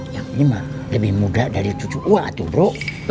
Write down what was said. yang ini mah lebih muda dari cucu uak tuh bro